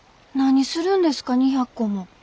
何するんですか２００個も。